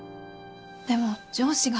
でも上司が。